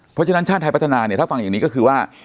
เพราะฉะนั้นชาติไทยพัฒนาเนี่ยถ้าฟังอย่างนี้ก็คือว่า